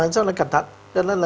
cho nên cẩn thận